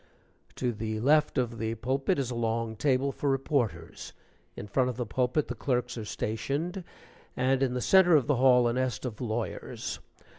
To the left of the pulpit is a long table for reporters; in front of the pulpit the clerks are stationed, and in the centre of the hall a nest of lawyers.